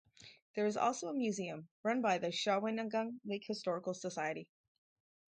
There is also a museum, run by the Shawnigan Lake Historical Society.